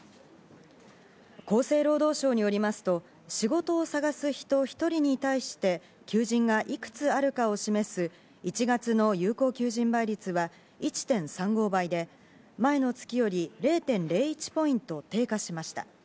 厚生労働省によりますと、仕事を探す人１人に対して求人が、いくつあるかを示す１月の有効求人倍率は１．３５倍で、前の月より０．０１ポイント低下しました。